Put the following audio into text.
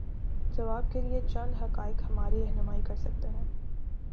جواب کے لیے چند حقائق ہماری رہنمائی کر سکتے ہیں۔